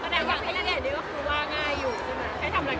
กระแดดวางให้นาแดดนี่ก็คือว่าง่ายอยู่ใช่ไหม